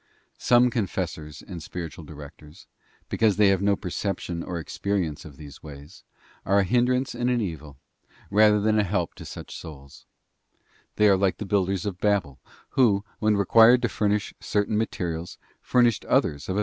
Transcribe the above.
Some confessors and spiritual di rectors, because they have no perception or experience of these ways, are a hindrance and an evil, rather than a help to such souls: they are like the builders of Babel; who, when |_| f ; DIFFICULTIES OF THE WAY. 5 required to furnish certain materials, furnished others of a Protocun.